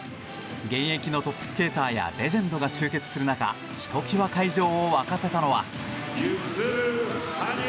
現役のトップスケーターやレジェンドが集結する中ひときわ会場を沸かせたのは。